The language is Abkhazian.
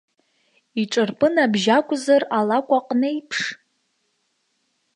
Иҿырпын абжьы акәзар алакә аҟны еиԥш?